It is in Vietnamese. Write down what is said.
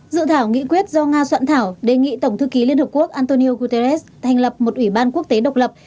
dự thảo nghị quyết do nga soạn thảo đề nghị tổng thư ký liên hợp quốc antonio guterres thành lập một ủy ban quốc tế độc lập